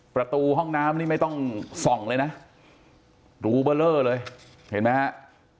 ประตูห้องน้ำนี่ไม่ต้องส่องเลยนะรูเบอร์เลอร์เลยเห็นไหมฮะ